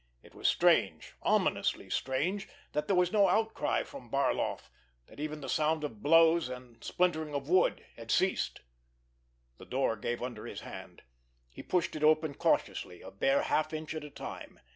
It was strange, ominously strange, that there was no outcry from Barloff, that even the sound of blows and splintering wood had ceased! The door gave under his hand. He pushed it open cautiously, a bare half inch at a time.